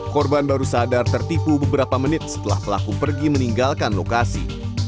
korban baru sadar tertipu beberapa menit setelah pelaku pergi meninggalkan lokasi